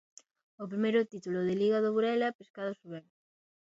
O primeiro título de Liga do Burela Pescados Rubén.